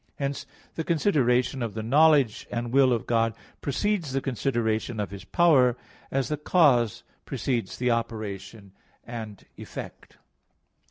Hence the consideration of the knowledge and will of God precedes the consideration of His power, as the cause precedes the operation and effect.